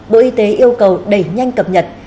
bộ y tế yêu cầu đẩy nhanh cập nhật